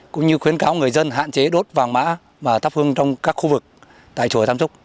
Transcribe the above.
cũng như khuyến cáo người dân hạn chế đốt vàng mã và thắp hương trong các khu vực tại chùa tam trúc